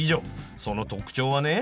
その特徴はね